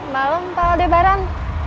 malam pak aldebaren